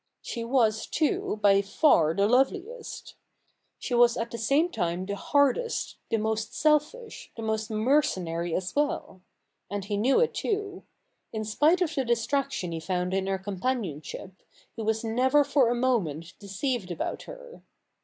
She was, too, by far the loveliest. I04 THE NEW REPUBLIC [bk. ii She was at the same time the hardest, the most selfish, the most mercenary as well. And he knew it too. In spite of the distraction he found in her companionship, he was never for a moment deceived about her.